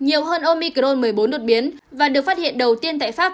nhiều hơn omicron một mươi bốn đột biến và được phát hiện đầu tiên tại pháp